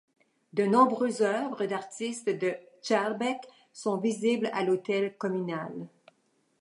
De nombreuses œuvres d'artistes de Schaerbeek sont visibles à l'hôtel communal.